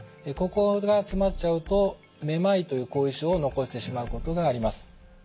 ここが詰まっちゃうとめまいという後遺症を残してしまうことがあります。